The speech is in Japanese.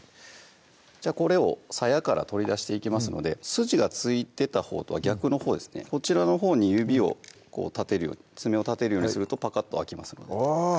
これをさやから取り出していきますので筋が付いてたほうとは逆のほうですねこちらのほうに指を立てるように爪を立てるようにするとパカッと開きますのであぁ